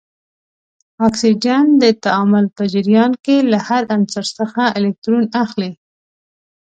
اکسیجن د تعامل په جریان کې له هر عنصر څخه الکترون اخلي.